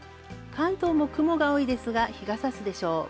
関東も雲が多いですが、日が差すでしょう。